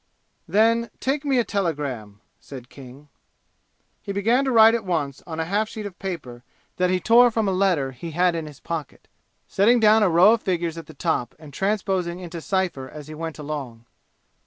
"Then, take me a telegram!" said King. He began to write at once on a half sheet of paper that he tore from a letter he had in his pocket, setting down a row of figures at the top and transposing into cypher as he went along.